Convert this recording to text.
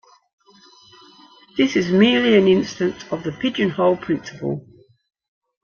This is merely an instance of the pigeonhole principle.